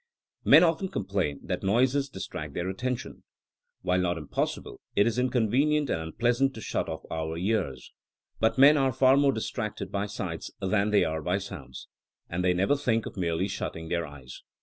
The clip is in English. Men often complain that noises distract their attention. While not impossible, it is inconvenient and unpleasant to shut off our ears. But men are far more distracted by sights than they are by sounds. And they never think of merely shutting their eyes.